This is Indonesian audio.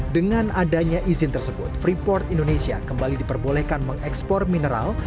dengan adanya izin tersebut freeport indonesia kembali diperbolehkan mengekspor mineral